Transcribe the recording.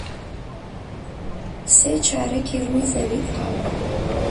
سێ چارەکی ڕووی زەوی ئاوە.